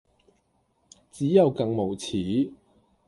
只有更無恥